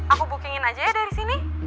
aku bookingin aja ya dari sini